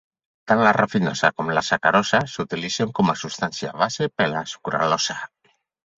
Tant la rafinosa com la sacarosa s'utilitzen com a substància base per a la sucralosa.